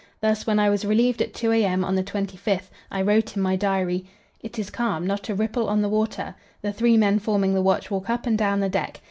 Thus, when I was relieved at 2 a.m. on the 25th, I wrote in my diary `... It is calm, not a ripple on the water. The three men forming the watch walk up and down the deck.